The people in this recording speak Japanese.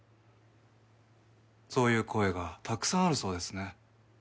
そういう声がたくさんあるそうですね。